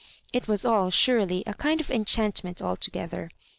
It was all, surely, a kind of enchantment altogether.